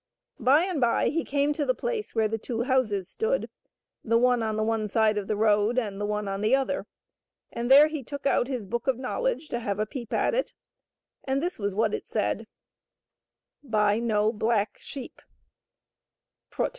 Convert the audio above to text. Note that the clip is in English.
By and by he came to the place where the two houses stood, the one on the one side of the road, and the one on the other, and there he took out his Book of Knowledge to have a peep at it, and this was what it said :^^ Buy no black sheep^ " Prut